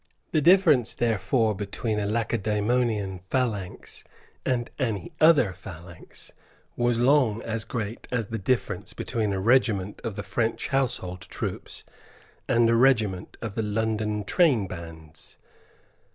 The difference therefore between a Lacedaemonian phalanx and any other phalanx was long as great as the difference between a regiment of the French household troops and a regiment of the London trainbands.